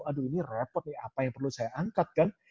aduh ini repot nih apa yang perlu saya angkat kan